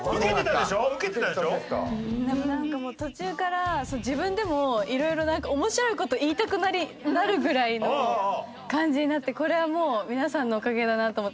でもなんかもう途中から自分でもいろいろ面白い事言いたくなるぐらいの感じになってこれはもう皆さんのおかげだなと思って。